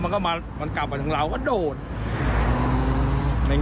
มันแรงมันเข้ามาตรงหน้านั่ง